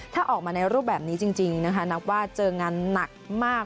ถ้าออกมาในรูปแบบนี้จริงนะคะนับว่าเจองานหนักมาก